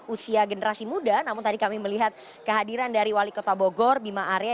usia generasi muda namun tadi kami melihat kehadiran dari wali kota bogor bima arya